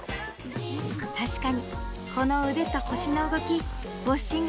確かに、この腕と腰の動きウォッシング